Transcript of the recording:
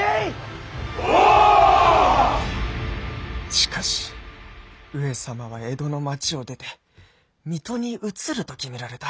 しかし上様は江戸の町を出て水戸に移ると決められた。